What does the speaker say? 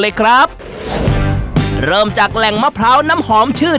เลยครับเริ่มจากแหล่งมะพร้าวน้ำหอมชื่อ